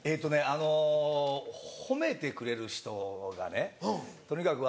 あの褒めてくれる人がねとにかく